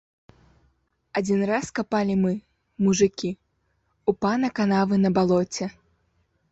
Адзін раз капалі мы, мужыкі, у пана канавы на балоце.